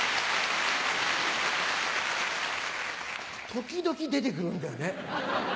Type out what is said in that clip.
時々出てくるんだよね。